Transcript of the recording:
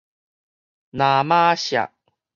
那瑪夏